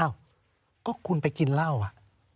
เอ้าก็คุณไปกินเหล้าอ่ะ